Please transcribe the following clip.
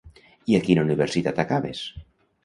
I a quina universitat acabes?